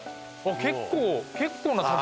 結構結構な滝。